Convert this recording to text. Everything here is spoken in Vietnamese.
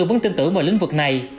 tôi vẫn tin tưởng vào lĩnh vực này